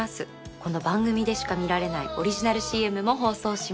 この番組でしか見られないオリジナルＣＭも放送します。